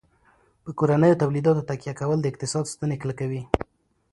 په کورنیو تولیداتو تکیه کول د اقتصاد ستنې کلکوي.